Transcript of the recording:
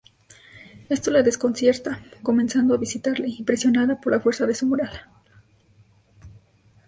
Esto la desconcierta, comenzando a visitarle, impresionada por la fuerza de su moral.